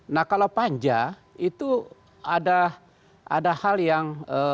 nah kalau panja itu ada hal yang